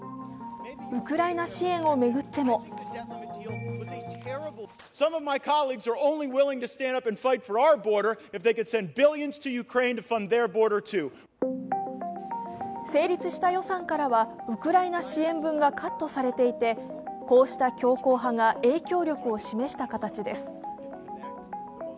ウクライナ支援を巡っても成立した予算からは、ウクライナ支援分がカットされていて、こうした強硬派が影響力を示した形です。